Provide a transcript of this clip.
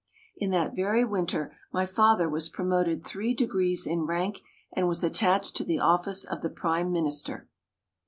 In that very winter my father was promoted three degrees in rank and was attached to the office of the Prime Minister.